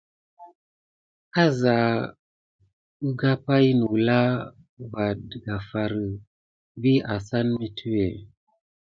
Asa kuka pay nulà va tedafar winaga vi asane mituwé.